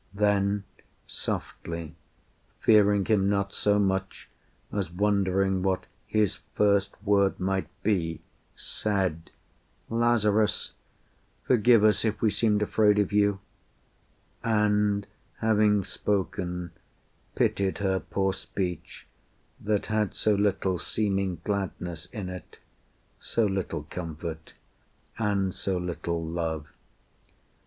Then, softly, Fearing him not so much as wondering What his first word might be, said, "Lazarus, Forgive us if we seemed afraid of you;" And having spoken, pitied her poor speech That had so little seeming gladness in it, So little comfort, and so little love.